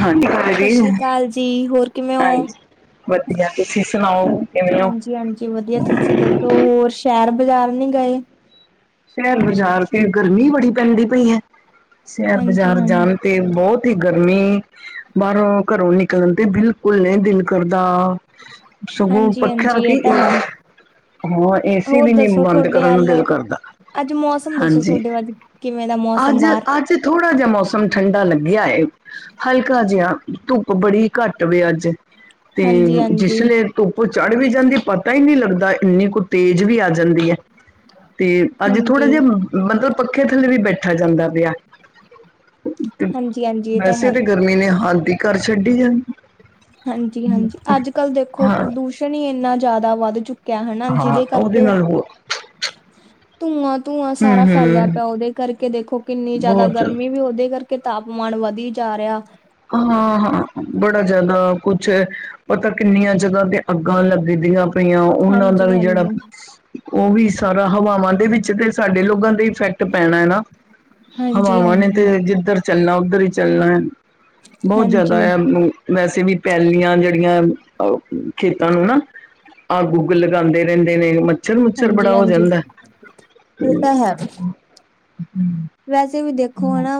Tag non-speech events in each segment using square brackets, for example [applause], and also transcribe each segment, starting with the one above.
ਹਾਂਜੀ। ਸਤਿ ਹਾਂਜੀ ਸ੍ਰੀ ਅਕਾਲ ਜੀ, ਹੋਰ ਕਿਵੇਂ ਹਾਂਜੀ ਓਂ? ਵਧੀਆ, ਤੁਸੀ ਸੁਣਾਓ? ਕਿਵੇਂ ਹੋ ਹਾਂਜੀ-ਹਾਂਜੀ ਵਧੀਆ, ਤੁਸੀਂ ਦੱਸੋ, ਹੋਰ ਸ਼ਹਿਰ-ਬਜ਼ਾਰ ਨਹੀਂ ਗਏ? ਸ਼ਹਿਰ ਬਾਜ਼ਾਰ ਤੇ ਗਰਮੀ ਬੜੀ ਪੈਂਦੀ ਪਈ ਐ, ਸਹਿਰ ਹਾਂਜੀ ਬਾਜ਼ਾਰ ਹਾਂ, ਜਾਣ ਤੇ ਬਹੁਤ ਈ ਗਰਮੀ ਬਾਹਰੋਂ, ਘਰੋਂ ਨਿਕਲਣ ਤੇ ਬਿਲਕੁਲ ਨਹੀਂ ਦਿਲ ਕਰਦਾ। ਸਗੂ ਪੱਖਿਆ ਨੂੰ। ਹਾਂਜੀ-ਹਾਂਜੀ ਇਹ ਤਾਂ ਹੈ, [unintelligible] ਹਾਂ, ਏਸੀ ਹੋਰ ਵੀ ਨੀ ਦੱਸੋ ਬੰਦ ਤੁਹਾਡੇ ਕਰਨ ਨੂੰ ਦਿਲ ਵੱਲ ਕਰਦਾ। ਅੱਜ ਮੌਸਮ ਦੱਸੋ ਹਾਂਜੀ ਤੁਵਾਡੇ ਅੱਜ, ਕਿਵੇਂ ਦਾ ਮੌਸਮ ਬਾਰ? 'ਚ ਥੋੜਾ ਜਿਹਾ ਮੌਸਮ ਠੰਡਾ ਲੱਗਿਆ ਏ। ਹਲਕਾ ਜਿਹਾ ਧੁੱਪ ਬੜੀ ਘੱਟ ਵੇ ਅੱਜ, ਤੇ ਹਾਂਜੀ-ਹਾਂਜੀ। ਜਿਸ ਲੇ ਧੁੱਪ ਚੜ ਵੀ ਜਾਂਦੀ ਪਤਾ ਈ ਨੀ ਲੱਗਦਾ, ਇੰਨੀ ਕੁ ਤੇਜ਼ ਵੀ ਆ ਜਾਂਦੀ ਐ, ਤੇ ਅੱਜ ਥੋੜ੍ਹਾ ਹਾਂਜੀ, ਜਿਹਾ ਮਤਲਬ, ਪੱਖੇ ਥੱਲੇ ਵੀ ਬੈਠਾ ਜਾਂਦਾ ਪਿਆ। ਹਾਂਜੀ-ਹਾਂਜੀ ਇਹ ਤਾਂ ਵੈਸੇ ਹੈ। ਤੇ ਗਰਮੀ ਨੇ ਹੱਦ ਈ ਕਰ ਛੱਡੀ ਆ। ਹਾਂਜੀ-ਹਾਂਜੀ, ਅੱਜ-ਕੱਲ੍ਹ ਦੇਖੋ ਹਾਂ ਪ੍ਰਦੂਸ਼ਣ ਈ ਇੰਨਾ ਜ਼ਿਆਦਾ ਵੱਧ ਚੁੱਕ ਕਿਆ ਹਣਾ ਹਾਂ ਜੀਦੇ ਉਹਦੇ ਕਰਕੇ ਨਾਲ ਹੋ ਧੂੰਆਂ-ਧੂੰਆਂ ਹੂੰ ਸਾਰਾ ਹੂੰ ਫੈਲਿਆ ਪਿਆ ਉਹਦੇ ਕਰਕੇ ਦੇਖੋ, ਕਿੰਨੀ ਜ਼ਿਆਦਾ ਬਹੁਤ ਗਰਮੀ ਵੀ ਉਹਦੇ ਕਰਕੇ ਕਿ ਤਾਪਮਾਨ ਵਧੀ ਜਾ ਰਿਹਾ ਹਾਂ-ਹਾਂ ਬੜਾ ਜਿਆਦਾ ਕੁਛ ਪਤਾ ਕਿੰਨੀਆਂ ਜਗ੍ਹਾ ਤੇ ਅੱਗਾਂ ਲੱਗਦੀਆਂ ਪਈਆਂ, ਉਹਨਾਂ ਦਾ ਵੀ ਜਿਹੜਾ ਹਾਂਜੀ-ਹਾਂਜੀ। ਉਹ ਵੀ ਸਾਰਾ ਹਵਾਵਾਂ ਦੇ ਵਿੱਚ ਤੇ ਸਾਡੇ ਲੋਗਾਂ ਦੇ ਇਫੈਕਟ ਪੈਣਾ ਏ ਨਾ। ਹਾਂਜੀ ਹਵਾਵਾਂ ਨੇ ਹਾਂਜੀ ਤੇ ਜਿੱਧਰ ਚੱਲਣਾ ਉੱਧਰ ਈ ਚੱਲਣਾ ਐ। ਬਹੁਤ ਹਾਂਜੀ ਜ਼ਿਆਦਾ ਆ, ਵੈਸੇ ਵੀ ਪੈਲ਼ੀਆਂ ਜਿਹੜੀਆਂ, ਅ ਖੇਤਾਂ ਨੂੰ ਨਾ ਅੱਗ-ਉੱਗ ਲਗਾਂਦੇ ਰਹਿੰਦੇ ਨੇ ਮੱਛਰ-ਮੁੱਛਰ ਹਾਂਜੀ ਬੜਾ ਹੋ ਹਾਂਜੀ ਜਾਂਦਾਂ। ਇਹ ਤਾਂ ਹੈ ਵੈਸੇ ਵੀ ਦੇਖੋ, ਹਨਾ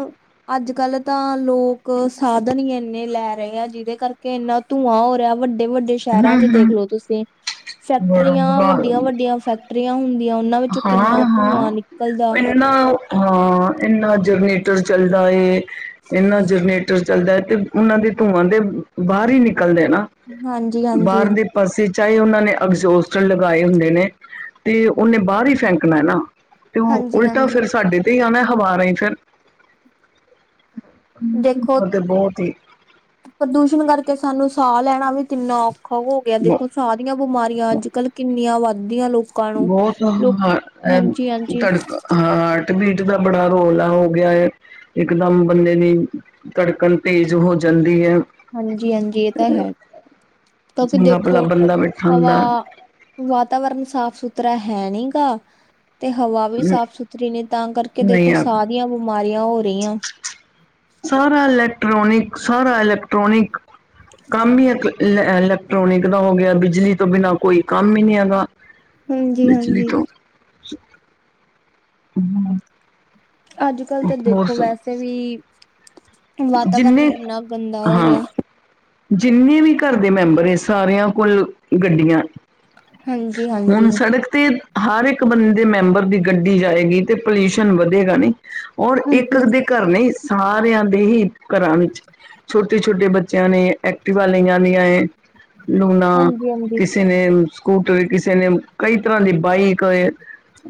ਅੱਜ-ਕੱਲ੍ਹ ਤਾਂ ਲੋਕ ਸਾਧਨ ਈ ਇੰਨੇ ਲੈ ਰਹੇ ਆ, ਜੀਦੇ ਕਰਕੇ ਇਨਾਂ ਧੂੰਆਂ ਹੋ ਰਿਹਾ, ਵੱਡੇ-ਵੱਡੇ ਸ਼ਹਿਰਾਂ 'ਚ ਹੂੰ-ਹੂੰ ਦੇਖਲੋ ਤੁਸੀਂ, ਬੜਾ ਫ਼ੈਕਟਰੀਆਂ ਬੁਰਾ ਹਾਲ ਵੱਡੀਆਂ-ਵੱਡੀਆਂ ਫੈਕ ਟਰੀਆਂ ਹੁੰਦੀਆਂ, ਉਹਨਾਂ ਵਿੱਚੋਂ ਕਿੰਨਾ ਧੂੰਆਂ ਨਿਕਲਦਾ। ਨਾ ਉਹ। ਹਾਂ, ਇੰਨਾ ਜਰਨੇਟਰ ਚੱਲਦਾ ਏ ਇਨਾਂ ਜਰਨੇਟਰ ਚੱਲਦਾ ਏ ਤੇ ਉਹਨਾਂ ਦੇ ਧੂੰਆਂ ਤੇ ਬਾਹਰ ਈ ਨਿਕਲਦੇ ਨਾ ਹਾਂਜੀ ਹਾਂਜੀ ਬਾਹਰ ਦੇ ਪਾਸੇ ਚਾਹੇ ਉਹਨਾਂ ਨੇ ਅਗਜੋਸਟਰ ਲਗਾਏ ਹੁੰਦੇ ਨੇ, ਤੇ ਉਹਨੇ ਬਾਹਰ ਈ ਫੈਂਕਣਾ ਨਾ ਤੇ ਉਹ ਹਾਂਜੀ ਉਲਟਾ ਹਾਂਜੀ ਫਿਰ ਸਾਡੇ ਤੇ ਆਉਣਾ ਹਵਾ ਰਾਈ ਫਿਰ, ਹਾਂਜੀ ਦੇਖੋ ਓ ਤੇ ਬਹੁਤ ਈ ਪ੍ਰਦੂਸ਼ਣ ਕਰਕੇ ਸਾਨੂੰ ਸਾਹ ਲੈਣਾ ਵੀ ਕਿੰਨਾ ਔਖਾ ਹੋ ਗਿਆ ਦੇਖੋ ਸਾਹ ਦੀਆਂ ਬਿਮਾਰੀਆਂ ਅੱਜ-ਕੱਲ੍ਹ ਕਿੰਨੀਆਂ ਵੱਧਦੀਆਂ ਲੋਕ ਨੂੰ ਬਹੁਤ ਹੁੰਦਾ, ਹਾਂਜੀ ਅਹ ਹਾਂਜੀ ਤੜਕਾ। ਹਾਂਟ-ਬੀਟ ਦਾ ਬੜਾ ਰੋਲਾ ਹੋ ਗਿਆ ਏ। ਇਕਦਮ ਬੰਦੇ ਦੀ, ਧੜਕਣ ਤੇਜ਼ ਹੋ ਜਾਂਦੀ ਐ। ਹਾਂਜੀ-ਹਾਂਜੀ ਇਹ ਤਾਂ ਹੈ, ਕਿਉਂਕਿ ਚੰਗਾ ਭਲਾ ਦੇਖੋ ਬੰਦਾ ਬੈਠਾ ਹਵਾ ਹੁੰਦਾ ਵਾਤਾਵਰਨ ਸਾਫ-ਸੁਥਰਾ ਹੈ ਨੀਗਾ ਤੇ ਹਵਾ ਵੀ ਸਾਫ਼-ਸੁਥ ਰੀ ਨੀ ਤਾਂ ਕਰਕੇ ਨਹੀਂ ਦੇਖੋ, ਆ ਸਾਹ ਦੀਆਂ ਬਿਮਾਰੀਆਂ ਹੋ ਰਹੀਆਂ। ਸਾਰਾ ਇਲੈਕਟ੍ਰੋਨਿਕ, ਸਾਰਾ ਇਲੈਕਟ੍ਰੋਨਿਕ, ਕੰਮ ਈ ਇਕ ਲੇ-ਲੇ ਟ੍ਰੋਨਿਕ ਦਾ ਹੋ ਗਿਆ, ਬਿਜਲੀ ਤੋਂ ਬਿਨਾਂ ਕੋਈ ਕੰਮ ਈ ਨੀ ਐਗਾ। ਹਾਂਜੀ-ਹਾਂਜੀ। ਅੱਜ-ਕੱਲ੍ਹ ਤਾਂ ਹੋਰ ਦੇਖੋ ਵੈਸੇ ਵੀ, ਵਾਤਾਵਰਨ ਜਿੰਨੇ ਕਿੰਨਾ ਗੰਦਾ ਹੋ ਹਾਂ ਰਿਹਾ। ਜਿੰਨੇ ਵੀ ਘਰ ਦੇ ਮੈਂਬਰ ਨੇ ਸਾਰਿਆਂ ਕੋਲ ਗੱਡੀਆਂ ਹਾਂਜੀ ਹੁਣ ਹਾਂਜੀ ਸੜਕ ਤੇ ਹਰ ਇੱਕ ਬੰਦੇ ਦੇ ਮੈਂਬਰ ਦੀ ਗੱਡੀ ਜਾਏਗੀ ਤੇ ਪੋਲਿਊਸ਼ਨ ਵਧੇਗਾ ਨੀ ਔਰ ਹਾਂਜੀ ਇੱਕ ਦੇ ਹਾਂਜੀ ਘਰ ਨਹੀਂ ਸਾਰਿਆਂ ਦੇ ਹੀ ਘਰਾਂ ਵਿੱਚ ਛੋਟੇ ਛੋਟੇ ਛੋਟੇ ਬੱਚਿਆਂ ਨੇ ਐਕਟਿਵਾ ਲਈ ਆਂਦੀਆਂ ਲੂਣਾ ਹਾਂਜੀ ਹਾਂਜੀ ਕਿਸੇ ਨੇ ਸਕੂਟਰ ਕਿਸੇ ਨੇ ਕਈ ਤਰ੍ਹਾਂ ਦੀ ਬਾਈਕ ਏ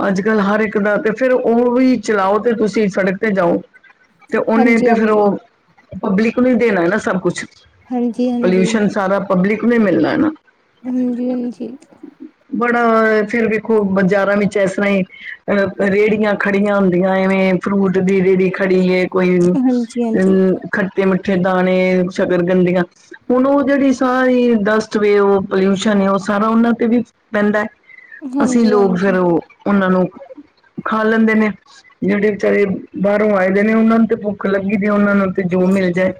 ਅੱਜ ਕੱਲ ਹਰ ਇੱਕ ਦਾ ਤੇ ਫੇਰ ਉਹ ਵੀ ਚਲਾਓ ਤੇ ਤੁਸੀਂ ਸੜਕ ਤੇ ਜਾਓ ਤੇ ਉਹਨੇ ਹਾਂਜੀ ਤੇ ਫਿਰ ਉਹ ਪਬਲਿਕ ਨੂੰ ਹੀ ਦੇਣਾ ਏ ਨਾ ਸਭ ਕੁਛ ਹਾਂਜੀ ਹਾਂਜੀ ਪੋਲਿਊਸ਼ਨ ਸਾਰਾ ਪਬਲਿਕ ਨੂੰ ਹੀ ਮਿਲਨਾ ਨਾ ਹਾਂਜੀ- ਹਾਂਜੀ ਬੜਾ ਫੇਰ ਵੇਖੋ ਬਾਜ਼ਾਰਾਂ ਵਿੱਚ ਇਸ ਤਰ੍ਹਾਂ ਹੀ ਅ ਰੇਹੜੀਆਂ ਖੜੀਆਂ ਹੁੰਦੀਆਂ ਐਵੇਂ ਫਰੂਟ ਦੀ ਰੇਹੜੀ ਖੜੀ ਏ ਕੋਈ ਹਾਂਜੀ ਹਾਂਜੀ ਹਾਂਜੀ ਅਮ, ਖੱਟੇ ਮੱਠੇ ਦਾਣੇ ਸ਼ਕਰ ਗੰਦੀਆ ਹੁਣ ਉਹ ਜਿਹੜੀ ਸਾਰੀ ਡਸਟ ਵੇ ਉਹ ਪੋਲਿਊਸ਼ਨ ਏ ਉਹ ਸਾਰਾ ਉਹਨਾਂ ਤੇ ਵੀ ਪੈਂਦਾ ਅਸੀਂ ਹਾਂਜੀ ਹਾਂਜੀ ਲੋਕ ਫੇਰ ਉਹ ਉਹਨਾਂ ਨੂੰ ਖਾ ਲੈਂਦੇ ਨੇ ਜਿਹੜੇ ਬੈਚਾਰੇ ਬਾਹਰੋਂ ਆਏ ਦੇ ਨੇ ਉਹਨਾਂ ਨੂੰ ਤੇ ਭੁੱਖ ਲੱਗੀ ਦੀ ਉਹਨਾਂ ਨੂੰ ਜੋ ਮਿਲ ਜਾਏ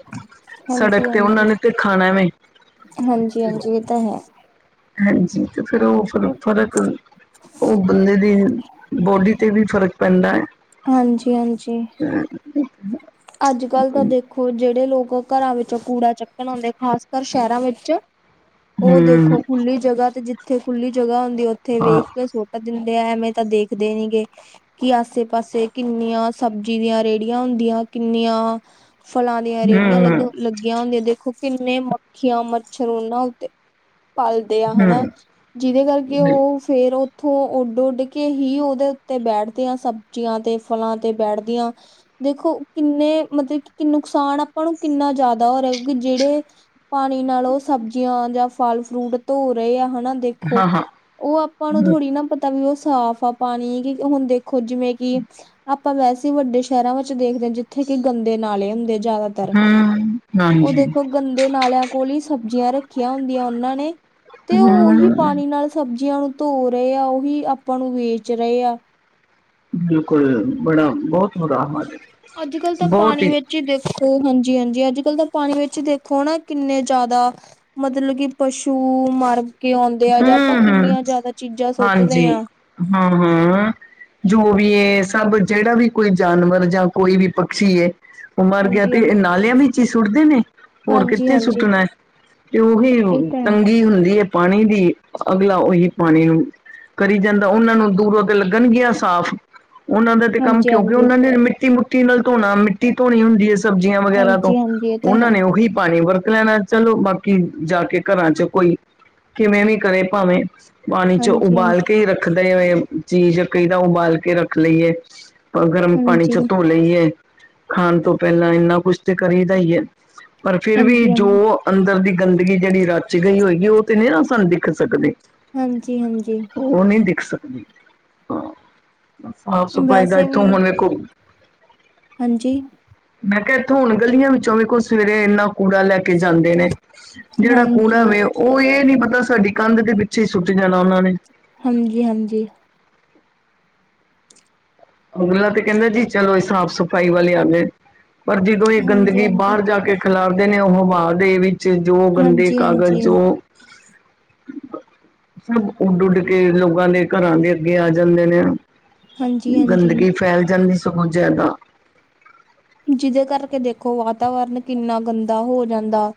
ਹਾਂਜੀ ਸੜਕ ਤੇ ਉਹਨਾਂ ਨੇ ਤੇ ਖਾਣਾ ਨੇ ਹਾਂਜੀ ਹਾਂਜੀ ਹਾਂਜੀ ਇਹ ਤਾਂ ਹੈ ਹਾਂਜੀ ਤੇ ਫੇਰ ਉਹ ਫ਼ਰਕ ਥੋੜਾ ਉਹ ਬੰਦੇ ਦੀ ਬੋਲੀ ਤੇ ਵੀ ਫ਼ਰਕ ਪੈਂਦਾ ਏ ਹਾਂਜੀ-ਹਾਂਜੀ [inaudible] ਅੱਜ ਕੱਲ ਤਾਂ ਦੇਖੋ ਜਿਹੜੇ ਲੋਕ ਘਰਾਂ ਵਿੱਚੋਂ ਕੂੜਾ ਚੱਕਣ ਆਉਂਦੇ ਖਾਸ ਕਰ ਸ਼ਹਿਰਾਂ ਵਿੱਚ ਉਹ ਹਮ ਦੇਖੋ ਖੁੱਲੀ ਜਗ੍ਹਾ ਤੇ ਜਿੱਥੇ ਖੁੱਲੀ ਜਗ੍ਹਾ ਹੁੰਦੀ ਉੱਥੇ ਹਾਂ ਵੇਖ ਕੇ ਸੁਟ ਦਿੰਦੇ ਆ ਐਵੇਂ ਤਾਂ ਦੇਖਦੇ ਨੀ ਗੇ ਕਿ ਆਸੇ ਪਾਸੇ ਕਿੰਨੀਆਂ ਸਬਜ਼ੀ ਦੀਆਂ ਰੇਹੜੀਆਂ ਹੁੰਦੀਆਂ ਕਿੰਨੀਆਂ ਫਲਾਂ ਦੀਆਂ ਰੇਹੜੀਆਂ ਲੱਗ ਹਮ ਲੱਗੀਆਂ ਹੁੰਦੀਆਂ ਤੇ ਦੇਖੋ ਕਿੰਨੇ ਮੱਖੀਆਂ, ਮੱਛਰ ਉਹਨਾਂ ਉਤੇ ਪਲਦੇ ਆ ਹਨਾ ਹਮ ਜਿਹਦੇ ਕਰਕੇ ਉਹ ਫੇਰ ਉੱਥੋਂ ਉੱਡ ਉੱਡ ਕੇ ਹੀ ਉਹਦੇ ਉੱਤੇ ਬੈਠਦੇਆਂ ਸਬਜ਼ੀਆਂ ਤੇ ਫਲਾਂ ਤੇ ਬੈਠਦੀਆਂ ਦੇਖੋ ਕਿੰਨੇ ਮਤਲਬ ਕਿ ਨੁਕਸਾਨ ਆਪਾਂ ਨੂੰ ਕਿੰਨਾ ਜ਼ਿਆਦਾ ਹੋ ਰਿਹਾ ਕਿਉਂਕਿ ਜਿਹੜੇ ਪਾਣੀ ਨਾਲ ਉਹ ਸਬਜ਼ੀਆਂ ਜਾਂ ਫਲ ਫਰੂਟ ਧੋ ਰਹੇ ਆ ਹਨਾ ਦੇਖੋ ਹਾਂ ਹਾਂ ਉਹ ਆਪਾਂ ਨੂੰ ਥੋੜੀ ਨਾ ਪਤਾ ਵੀ ਉਹ ਸਾਫ਼ ਆ ਪਾਣੀ ਕਿ ਹੁਣ ਦੇਖੋ ਦੇਖੋ ਜਿਵੇਂ ਕਿ ਆਪਾਂ ਵੈਸੇ ਵੱਡੇ ਸ਼ਹਿਰਾਂ ਵਿੱਚ ਦੇਖਦੇ ਆ ਜਿੱਥੇ ਕਿ ਗੰਦੇ ਨਾਲੇ ਹੁੰਦੇ ਜ਼ਿਆਦਾ ਤਰ ਹਮ ਉਹ ਹਾਂਜੀ ਦੇਖੋ ਗੰਦੇ ਨਾਲਿਆਂ ਕੋਲ ਹੀ ਸਬਜ਼ੀਆਂ ਰੱਖੀਆਂ ਹੁੰਦੀਆਂ ਉਹਨਾਂ ਨੇ ਤੇ ਉਹੀ ਹਮ ਪਾਣੀ ਨਾਲ ਸਬਜ਼ੀਆਂ ਨੂੰ ਧੋ ਰਹੇ ਆ ਉਹੀ ਆਪਾਂ ਨੂੰ ਵੇਚ ਰਹੇ ਆ ਬਿਲਕੁਲ ਬੜਾ ਬਹੁਤ ਹ [unintelligible] ਅੱਜ -ਕੱਲ ਤਾਂ ਪਾਣੀ ਵਿੱਚ ਦੇਖੋ ਹਾਂਜੀ, ਹਾਂਜੀ ਅੱਜ ਕੱਲ੍ਹ ਤਾਂ ਪਾਣੀ ਵਿੱਚ ਦੇਖੋ ਨਾ ਕਿੰਨੇ ਜ਼ਿਆਦਾ ਮਤਲਬ ਕਿ ਪਸ਼ੂ ਮਰ ਕੇ ਆਉਂਦੇ ਆ ਜਾਂ ਆਪਾਂ ਹਮ ਕਿੰਨੀਆਂ ਹਮ ਜਿਆਦਾ ਚੀਜ਼ਾਂ ਸੁੱਟਦੇ ਹਾਂਜੀ ਆ ਹਾਂ- ਹਾਂ। ਜੋ ਵੀ ਸਭ ਜਿਹੜਾ ਵੀ ਕੋਈ ਜਾਨਵਰ ਜਾਂ ਕੋਈ ਵੀ ਪਕਸ਼ੀ ਹੈ ਉਹ ਮਰ ਗਿਆ ਹਾਂਜੀ ਤੇ ਹਾਂਜੀ ਨਾਲਿਆਂ ਵਿੱਚ ਹੀ ਸੁੱਟਦੇ ਨੇ ਹੋਰ ਹਾਂਜੀ ਕਿੱਥੇ ਹਾਂਜੀ ਸੁੱਟਣਾ ਹੈ। ਤੇ ਉਹੀ ਇਹ ਤਾਂ ਹੈ ਤੰਗੀ ਹੁੰਦੀ ਹੈ ਪਾਣੀ ਦੀ ਅਗਲਾ ਉਹੀ ਪਾਣੀ ਕਰੀ ਜਾਂਦਾ ਉਹਨਾਂ ਨੂੰ ਦੂਰੋਂ ਅੱਗੇ ਲੱਗਣਗੀਆਂ ਸਾਫ਼। ਉਹਨਾਂ ਦਾ ਤੇ ਕੰਮ ਹਾਂਜੀ ਹਾਂਜੀ ਕਿਉਂਕਿ ਉਹਨਾਂ ਨੇ ਮਿੱਟੀ ਮਿੱਟੀ ਨਾਲ ਧੋਣਾ ਮਿੱਟੀ ਧੋਣੀ ਹੁੰਦੀ ਹੈ। ਸਬਜ਼ੀਆਂ ਵਗੈਰਾ ਤੋਂ ਹਾਂਜੀ ਹਾਂਜੀ ਇਹ ਤਾਂ ਉਹਨਾਂ ਹੈ ਨੇ ਉਹੀ ਪਾਣੀ ਵਰਤ ਲੈਣਾ। ਚਲੋ ਬਾਕੀ ਜਾ ਕੇ ਘਰਾਂ ਚ ਕੋਈ ਕਿਵੇਂ ਵੀ ਕਰੇ ਭਾਵੇਂ ਪਾਣੀ ਚ ਹਾਂਜੀ ਉਬਾਲ ਹਾਂਜੀ ਕੇ ਹੀ ਰੱਖਦੇ ਹੋ। ਚੀਜ਼ ਕਈਦਾ ਉਬਾਲ ਕੇ ਰੱਖ ਲਈਏ ਗਰਮ ਪਾਣੀ ਹਾਂਜੀ ਚ ਧੋਕੇ ਲਈਏ ਖਾਣ ਤੋਂ ਪਹਿਲਾਂ ਇੰਨਾ ਕੁਛ ਤੇ ਕਰੀ ਦਾ ਹੀ ਹੈ। ਪਰ ਫਿਰ ਵੀ ਹਾਂਜੀ ਹਾਂਜੀ ਜੋ ਅੰਦਰ ਦੀ ਗੰਦਗੀ ਜਿਹੜੀ ਰਚ ਗਈ ਹੋਏਗੀ ਉਹ ਨਹੀਂ ਨਾ ਸਾਨੂੰ ਦਿਖ ਸਕਦੇ। ਹਾਂਜੀ ਹਾਂਜੀ। ਉਹ ਨਹੀਂ ਦਿਖ ਸਕਦੇ ਹਾਂ ਸਾਫ਼ ਸਫ਼ਾਈ ਦਾ ਵੈਸੇ ਇੱਥੋਂ ਵੀ ਹੁਣ ਕੋ ਹਾਂਜੀ। ਮੈਂ ਕਿਹਾ ਇੱਥੋਂ ਹੁਣ ਗਲੀਆਂ ਵਿੱਚੋਂ ਵੀ ਕੋਈ ਸਵੇਰੇ ਇੰਨਾ ਕੂੜਾ ਲੈ ਕੇ ਜਾਂਦੇ ਨੇ ਜਿਹੜਾ ਹਾਂਜੀ, ਕੂੜਾ ਵੇ ਉਹ ਇਹ ਨੀ ਪਤਾ ਸਾਡੀ ਕੰਧ ਦੇ ਪਿੱਛੇ ਹੀ ਸੁੱਟ ਜਾਣਾ ਉਹਨਾਂ ਨੇ। ਹਾਂਜੀ- ਹਾਂਜੀ। ਅਗਲਾ ਤੇ ਕਹਿੰਦਾ ਜੀ ਚਲੋ ਸਾਫ਼ ਸਫ਼ਾਈ ਵਾਲੇ ਆਦੇਂ। ਪਰ ਜਦੋਂ ਇਹ ਹਾਂਜੀ, ਗੰਦਗੀ ਹਾਂਜੀ। ਬਾਹਰ ਜਾ ਕੇ ਖਿਲਾਰਦੇ ਨੇ ਉਹ ਹਵਾ ਦੇ ਵੀ ਜੋ ਗੰਦੇ ਹਾਂਜੀ, ਕਾਗਜ਼ ਹਾਂਜੀ, ਜੋ [unintelligible] ਸਭ ਉੱਡ -ਉੱਡ ਕੇ ਲੋਕਾਂ ਦੇ ਘਰਾਂ ਦੇ ਅੱਗੇ ਆ ਜਾਂਦੇ ਨੇ। ਹਾਂਜੀ, ਹਾਂਜੀ। ਗੰਦਗੀ ਫੈਲ ਜਾਂਦੀ ਸਗੋਂ ਜ਼ਿਆਦਾ। ਜਿਹਦੇ ਕਰਕੇ ਦੇਖੋ ਵਾਤਾਵਰਨ ਕਿੰਨਾ ਗੰਦਾ ਹੋ ਜਾਂਦਾ।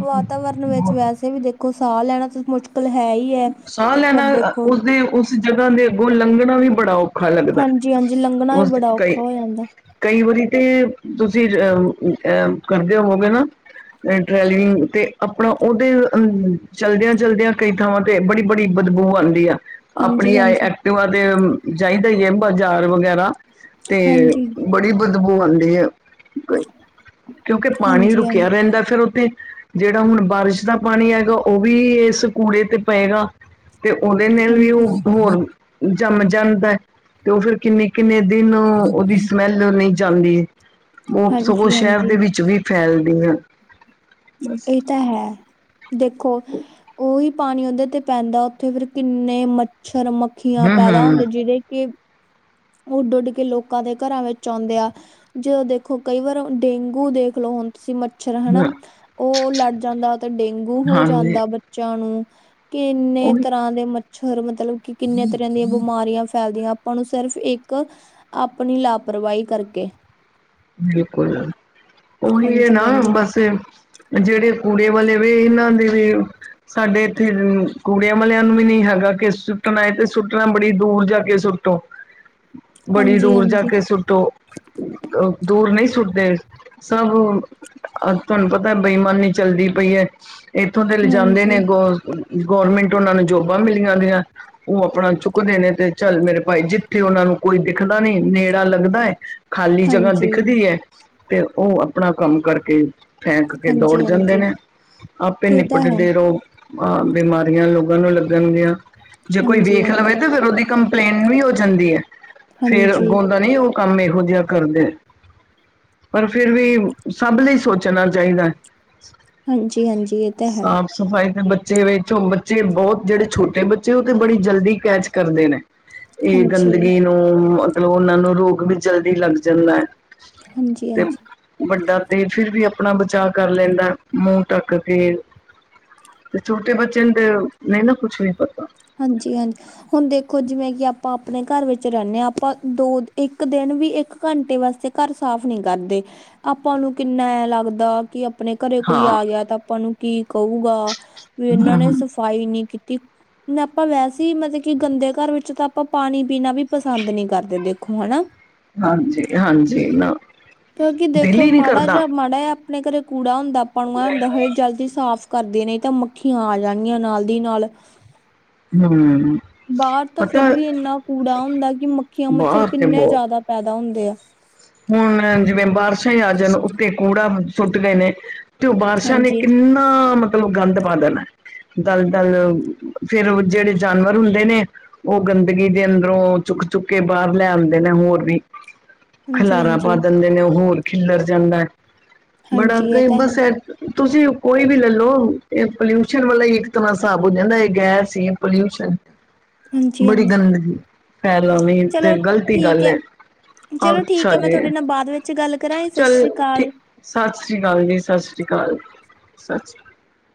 ਵਾਤਾਵਰਨ ਵਿੱਚ ਵੈਸੇ ਵੀ ਦੇਖੋ ਸਾਹ ਲੈਣਾ ਤਾਂ ਮੁਸ਼ਕਿਲ ਹੈ ਹੀ ਹੈ। ਸਾਹ ਲੈਣਾ ਫਿਰ ਦੇਖੋ ਉਸਦੇ ਉਸ ਜਗ੍ਹਾ ਦੇ ਅੱਗੋਂ ਲੰਘਣਾ ਵੀ ਬੜਾ ਔਖ ਔਖਾ ਲੱਗਦਾ ਹਾਂਜੀ, ਹਾਂਜੀ ਲੰਘਣਾ ਵੀ ਉਸਦੇ ਬੜਾ ਕਈ ਔਖਾ ਹੋ ਜਾਂਦਾ। ਕਈ ਵਾਰੀ ਤੇ ਤੁਸੀਂ ਅਆ ਕਰਦੇ ਹੋ ਹੋਗੇ ਨਾ। ਡ੍ਰੈਲਵਿੰਗ ਤੇ ਆਪਣਾ ਉਹਦੇ ਚਲਦਿਆਂ- ਚਲਦਿਆਂ ਕਈ ਥਾਵਾਂ ਤੇ ਬੜੀ -ਬੜੀ ਬਦਬੂ ਆਉਂਦੀ ਆ ਆਪਣੀ ਹਾਂਜੀ, ਆਏ ਹਾਂਜੀ, ਪਿਉ ਤੇ ਚਾਹੀਦਾ ਹੀ ਹੈ ਬਾਜ਼ਾਰ ਵਗੈਰਾ ਤੇ। ਹਾਂਜੀ, ਹਾਂਜੀ, ਬੜੀ ਬਦਬੂ ਆਉਂਦੀ ਹੈ। ਕਿਉਂਕਿ ਪਾਣੀ ਰੁਕਿਆ ਹਾਂਜੀ, ਰਹਿੰਦਾ ਫਿਰ ਉੱਥੇ। ਜਿਹੜਾ ਹੁਣ ਬਾਰਿਸ਼ ਦਾ ਪਾਣੀ ਹੈਗਾ ਉਹ ਵੀ ਇਸ ਕੂੜੇ ਤੇ ਪਏਗਾ। ਤੇ ਉਹਦੇ ਨਾਲ ਵੀ ਹਾਂਜੀ, ਉਹ ਹੋਰ ਜੰਮ ਜਾਂਦਾ ਤੇ ਉਹ ਫੇਿਰ ਕਿੰਨੀ ਕਿੰਨੇ ਦਿਨ ਉਹਦੀ ਸਮੈਲ ਨਹੀਂ ਜਾਂਦੀ ਉਹ ਸਗੋਂ ਹਾਂਜੀ, ਸ਼ਹਿਰ ਹਾਂਜੀ। ਦੇ ਵਿੱਚ ਵੀ ਫੈਲਦੀਆਂ। ਇਹ ਤਾਂ ਹੈ ਦੇਖੋ ਉਹੀ ਪਾਣੀ ਉਹਦੇ ਤੇ ਪੈਂਦਾ ਉੱਥੇ ਫਿਰ ਕਿੰਨੇ ਮੱਛਰ, ਮੱਖੀ ਮੱਖੀਆਂ ਹੂੰ ਪੈਦਾ ਹੂੰ ਹੁੰਦੇ ਜਿਹੜੇ ਕਿ ਉੱਡ-ਉੱਡ ਕੇ ਲੋਕਾਂ ਦੇ ਘਰਾਂ ਵਿੱਚ ਆਉਂਦੇ ਆ। ਜਦੋਂ ਦੇਖੋ ਕਈ ਵਾਰ ਡੇਂਗੂ ਦੇਖ ਲੋ ਹੁਣ ਤੁਸੀਂ ਮੱਛਰ ਹਨਾ ਹੂੰ, ਉਹ ਲੜ ਜਾਂਦਾ ਤੇ ਡੇਂਗੂ ਹੋ ਹਾਂਜੀ ਜਾਂਦਾ ਬੱਚਿਆਂ ਨੂੰ ਕਿੰਨੇ ਉਹ ਤਰ੍ਹਾਂ ਦੇ ਮੱਛਰ ਮਤਲਬ ਕਿ ਕਿੰਨੇ ਤਰ੍ਹਾਂ ਦੀਆਂ ਬਿਮਾਰੀਆਂ ਫੈਲਦੀਆਂ ਆਪਾਂ ਨੂੰ। ਸਿਰਫ ਇੱਕ ਆਪਣੀ ਲਾਪਰਵਾਹੀ ਕਰਕੇ ਬਿਲਕੁਲ ਉਹੀ ਹੈ ਹਾਂਜੀ ਨਾ ਹਾਂਜੀ ਬਸ ਜਿਹੜੇ ਕੁੜੇ ਵਾਲੇ ਵੀ ਇਹਨਾਂ ਦੀ ਵੀ ਸਾਡੇ ਇੱਥੇ ਕੂੜਿਆਂ ਵਾਲਿਆਂ ਨੂੰ ਵੀ ਨਹੀਂ ਹੈਗਾ ਕਿ ਸੁੱਟਣਾ ਏ ਤੇ ਸੁੱਟਣਾ ਬੜੀ ਦੂਰ ਜਾ ਕੇ ਸੁੱਟੋ। ਹ [unintelligible] ਬੜੀ ਦੂਰ ਜਾ ਕੇ ਸੁੱਟੋ ਦੂਰ ਨਹੀਂ ਸੁੱਟਦੇ। ਸਭ ਅਜਕਲ ਪਤਾ, ਬੇਈਮਾਨੀ ਚੱਲਦੀ ਪਈ ਹੈ, ਇੱਥੋਂ ਤੇ ਲਿਜਾਦੇ ਨੇ ਹਾਂਜੀ ਅਗੋ, ਗੌਰਮੈਂਟ ਉਹਨਾਂ ਨੂੰ ਜੋਬਾਂ ਮਿਲੀਆਂ ਦੀਆਂ। ਉਹ ਆਪਣਾ ਚੁੱਕਦੇ ਨੇ, ਤੇ ਚੱਲ ਮੇਰੇ ਭਾਈ, ਜਿੱਥੇ ਉਹਨਾਂ ਨੂੰ ਕੋਈ ਦਿਖਦਾ ਨਹੀਂ, ਨੇਰਾ ਲੱਗਦਾ ਹੈ ਖਾਲੀ ਜਗ੍ਹਾ ਹਾਂਜੀ ਦਿਖਦੀ ਹੈ, ਤੇ ਉਹ ਆਪਣਾ ਕੰਮ ਕਰਕੇ ਫੇਕ ਕੇ ਦੌੜ ਹਾਂਜੀ ਜਾਂਦੇ, ਹਾਂਜੀ ਨੇ ਆਪੇ ਇਹ ਤਾਂ ਹੈ ਨਿਪਟਦੇ ਰੋ ਅਹ ਬਿਮਾਰੀਆਂ ਲੋਕਾਂ ਨੂੰ ਲੱਗਣਗੀਆਂ, ਜੇ ਕੋਈ ਹਾਂਜੀ ਵੇਖ ਲਵੇ ਹਾਂਜੀ ਤਾਂ ਫੇਰ ਉਹਦੀ ਕੰਪਲੇਂਟ ਵੀ ਹੋ ਜਾਂਦੀ ਹੈ, ਫੇਰ ਹਾਂਜੀ ਉਦਾ ਨਹੀਂ, ਉਹ ਕੰਮ ਇਹੋ ਜਿਹਾ ਕਰਦੇ। ਪਰ ਫਿਰ ਵੀ ਸਭ ਲਈ ਸੋਚਣਾ ਚਾਹੀਦਾ, ਹਾਂਜੀ ਹਾਂਜੀ ਇਹ ਤਾਂ ਹੈ ਸਭ ਸਫ਼ਾਈ ਤੇ ਬੱਚੇ ਵੇਖੋ, ਬੱਚੇ ਬਹੁਤ, ਜਿਹੜੇ ਛੋਟੇ ਬੱਚੇ ਉਹ ਤੇ ਬੜੀ ਜਲਦੀ ਕੈਚ ਕਰਦੇ ਨੇ। [unintelligible] [unintelligible] ਇਹ ਗੰਦਗੀ ਨੂੰ, ਮਤਲਬ ਉਹਨਾਂ ਨੂੰ, ਰੋਗ ਵੀ ਜਲਦੀ ਲੱਗ ਜਾਂਦਾ ਹੈ। ਹਾਂਜੀ, ਤੇ ਹਾਂਜੀ। ਵੱਡਾ ਤੇ ਫਿਰ ਵੀ ਆਪਣਾ ਬਚਾਅ ਕਰ ਲੈਂਦਾ ਮੂੰਹ ਢੱਕ ਕੇ, ਤੇ ਛੋਟੇ ਬੱਚੇ ਨੂੰ ਤੇ, ਨਹੀਂ ਨਾ ਕੁਛ ਵੀ ਪਤਾ, ਹਾਂਜੀ, ਹਾਂਜੀ। ਹੁਣ ਦੇਖੋ ਜਿਵੇਂ ਕਿ ਆਪਾਂ ਆਪਣੇ ਘਰ ਵਿੱਚ ਰਹਿੰੇ ਹਾਂ, ਆਂਪਾਂ ਦੋ ਇੱਕ ਦਿਨ ਵੀ ਇੱਕ ਘੰਟੇ ਵਾਸਤੇ ਘਰ ਸਾਫ਼ ਨਹੀਂ ਕਰਦੇ, ਆਪਾਂ ਨੂੰ ਕਿੰਨਾ ਐ ਲੱਗਦਾ ਕਿ ਆਪਣੇ ਘਰੇ ਕੋਈ ਹਾਂ ਆ ਗਿਆ, ਤਾਂ ਆਪਾਂ ਨੂੰ ਕੀ ਕਹੁਗਾ? ਵੀ ਇਹਨਾਂ ਨੇ ਹੂੰ ਸਫ਼ਾਈ ਨਹੀ ਕੀਤੀ। ਨ ਆਪਾਂ ਵੈਸੇ ਈ ਮਤਲਬ ਕਿ ਗੰਦੇ ਘਰ ਵਿੱਚ ਤਾਂ ਆਪਾਂ ਪਾਣੀ ਪੀਣਾ ਵੀ ਪਸੰਦ ਨਹੀਂ ਕਰਦੇ ਦੇਖੋ, ਹਨਾ, ਹਾਂਜੀ ਹਾਂਜੀ ਨਾ ਕਿਉਂਕਿ ਦਿਲ ਦੇਖੋ ਹੀ ਨੀ ਮਾੜਾ ਕਰਦਾ ਜਿਹਾ ਮਾੜਾ ਆ ਆਪਣੇ ਘਰੇ ਕੂੜਾ ਹੁੰਦਾ, ਪਣੂਆ ਹੁੰਦਾ ਹ, ਜਲਦੀ ਸਾਫ਼ ਕਰਦੇ ਨੇ ਤਾਂ, ਮੱਖੀਆਂ ਆ ਜਾਣੀਆਂ, ਨਾਲ ਦੀ ਨਾਲ। ਹਮ [unintelligible] ਬਾਹਰ ਤਾਂ ਫੇਰ ਵੀ ਇੰਨਾ ਕੂੜਾ ਹੁੰ, ਦਾ ਕਿ ਮੱਖੀਆਂ ਮੱਛਰ ਬਾਹਰ ਤੇ ਕਿੰਨੇ ਬਹੁਤ ਜ਼ਿਆਦਾ ਪੈਦਾ ਹੁੰਦੇ ਆ। ਹੁਣ ਜਿਵੇਂ ਬਾਰਿਸ਼ਾਂ ਹੀ ਆ, ਜਾਣ ਉੱਤੇ ਕੂੜਾ ਸੁੱਟ ਗਏ ਨੇ ਤੇ ਉਹ ਬਾਰਿਸ਼ਾਂ ਨੇ ਹਾਂਜੀ ਕਿੰਨਾ ਹਾ, ਮਤਲਬ ਗੰਦ ਪਾ ਦੇਣਾ। ਦਲ-ਦਲ ਫੇਰ, ਜਿਹੜੇ ਜਾਨਵਰ ਹੁੰਦੇ ਨੇ, ਉਹ ਗੰਦਗੀ, ਦੇ ਅੰਦਰੋਂ ਚੁੱਕ ਚੁੱਕ ਕੇ, ਬਾਹਰ ਲੈ ਆਉਂਦੇ ਨੇ ਹੋਰ ਵੀ ਹਾਂਜੀ ਖਲਾਰਾ ਪਾ ਹਾਂਜੀ ਦਿੰਦੇ ਨੇ ਓ ਹੋਰ ਖਿਲਰ ਜਾਂਦਾ ਐ ਬੜਾ ਹਾਂਜੀ ਇਹ ਕਈ ਤਾਂ ਹੈ ਬਸ ਐ ਤੁਸੀਂ ਕੋਈ ਵੀ ਲੈਲੋ, ਇਹ ਪੋਲਿਊਸ਼ਨ ਵਾਲਾ ਹੀ, ਇੱਕ ਤਮ੍ਹਾਂ ਹਿਸਾਬ ਹੋ ਜਾਂਦਾ ਹੈ ਗੈਸ ਹੀ ਪੋਲਿਊਸ਼ਨ ਹ [unintelligible] ਹਾਂਜੀ, ਬੜੀ ਹਾਂਜੀ ਗੰਦਗੀ ਫੈਲਾਉਣੀ ਚਲੋ ਤੇ ਗਲਤੀ ਠੀਕ ਗੱਲ ਹੈ, ਚਲੋ ਠੀਕ। ਅੱਛਾ ਕਿ ਮੈਂ ਜੀ ਤੁਹਾਡੇ ਨਾਲ ਬਾਅਦ ਵਿੱਚ ਗੱਲ ਕਰਾਂ, ਸਤਿ ਚੱਲ ਸ਼੍ਰੀ ਠੀਕ ਅਕਾਲ। ਸਤਿ ਸ੍ਰੀ ਅਕਾਲ ਜੀ। ਸਤਿ ਸ੍ਰੀ ਅਕਾਲ, ਸਤਿ੍ਰੀ ਅ